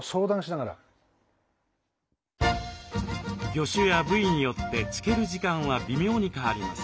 魚種や部位によってつける時間は微妙に変わります。